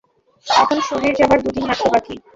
তখন শরীর যাবার দু-দিন মাত্র বাকী।